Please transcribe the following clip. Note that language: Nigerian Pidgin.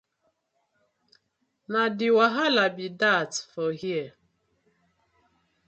Na de wahala bi dat for here.